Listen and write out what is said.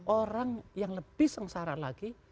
orang yang lebih sengsara lagi